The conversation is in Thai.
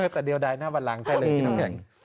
แต่เดี๋ยวดายหน้าบันรังใช่เลยนี่น้องแห่ง